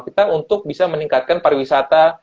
kita untuk bisa meningkatkan pariwisata